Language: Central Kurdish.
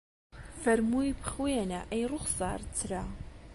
فەرمووی بخوێنە ئەی ڕوخسار چرا